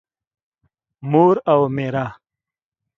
مور او مېره